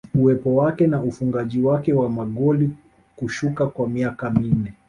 Uwepo wake na ufungaji wake wa magoli kushuka kwa miaka minne